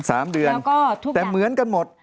สามเดือนแล้วก็ทุกอย่างแต่เหมือนกันหมด